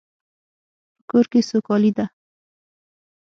په کور کې سوکالی ده